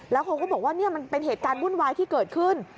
แล้วเขาก็บอกว่านี่มันเป็นเหตุการณ์วุ่นวายที่เกิดขึ้น